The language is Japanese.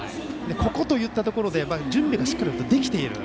ここといったところで準備がしっかりできている。